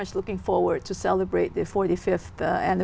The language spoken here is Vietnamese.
có một tổ chức rất tuyệt vọng